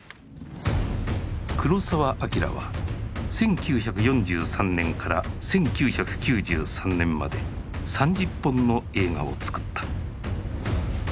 黒澤明は１９４３年から１９９３年まで３０本の映画を作った。